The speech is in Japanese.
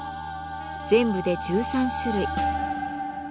全部で１３種類。